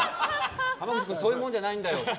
濱口君そういうもんじゃないんだよって。